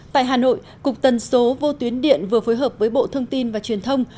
tại hà nội cục tần số vô tuyến điện vừa phối hợp với bộ thông tin và truyền thông